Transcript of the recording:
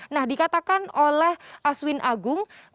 nah dikatakan oleh aswin agung